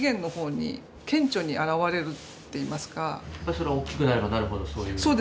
それは大きくなればなるほどそういう。